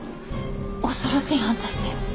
恐ろしい犯罪って？